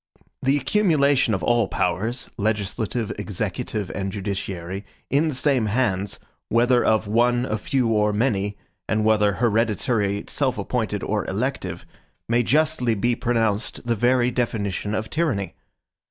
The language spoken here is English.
The accumulation of all powers, legislative, executive, and judiciary, in the same hands, whether of one, a few, or many, and whether hereditary, self appointed, or elective, may justly be pronounced the very definition of tyranny.